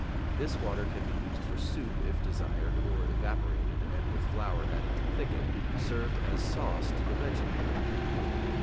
This water can be used for soup if desired, or evaporated, and with flour added to thicken, served as sauce to the vegetable.